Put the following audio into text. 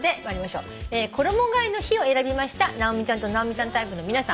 「衣替えの日」を選びました直美ちゃんと直美ちゃんタイプの皆さん。